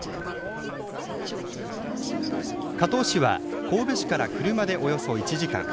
加東市は、神戸市から車でおよそ１時間。